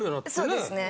そうですね。